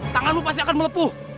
tanganmu pasti akan melepuh